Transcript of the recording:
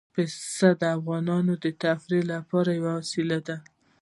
پسه د افغانانو د تفریح لپاره یوه وسیله ده.